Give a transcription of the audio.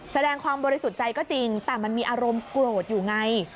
แสดงความบริสุทธิ์ใจก็จริงแต่มันมีอารมณ์โกรธอยู่ไง